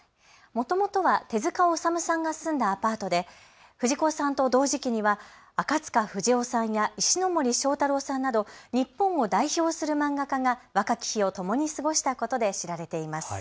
もともとは手塚治さんが住んだアパートで藤子さんと同時期には赤塚不二夫さんや石ノ森章太郎さんなど日本を代表する漫画家が若き日を共に過ごしたことで知られています。